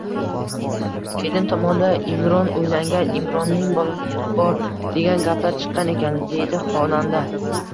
“Kelin tomonda Imron uylangan, Imronning bolalari bor, degan gaplar chiqqan ekan”, — deydi xonanda